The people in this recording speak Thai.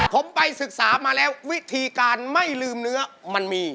ผมไปศึกษามาแล้ววิธีการไม่ลืมเนื้อมันมี